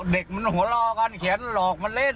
เด็กมันหัวรอกันเขียนหลอกมันเล่น